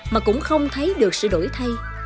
mà cũng không thấy được sự đổi thay